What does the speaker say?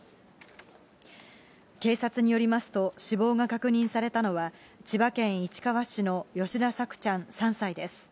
警察によりますと、死亡が確認されたのは、千葉県市川市の吉田朔ちゃん３歳です。